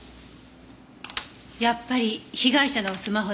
やっぱり被害者のスマホだったのね。